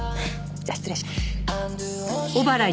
じゃあ失礼します。